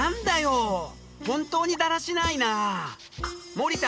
森田！